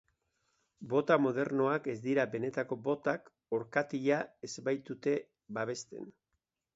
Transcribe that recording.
Bota modernoak ez dira benetako botak, orkatila ez baitute babesten.